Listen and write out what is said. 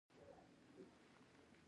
شرنګ مې د پاولو یوه شیبه وه وږمو یووړله